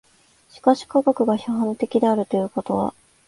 しかし科学が批判的であるということは